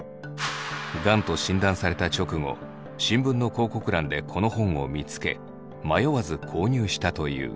がんと診断された直後新聞の広告欄でこの本を見つけ迷わず購入したという。